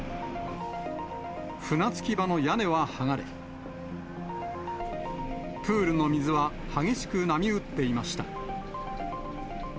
船着き場の屋根は剥がれ、プールの水は激しく波打っていました。